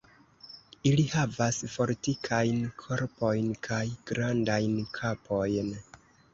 Ili havas fortikajn korpojn kaj grandajn kapojn.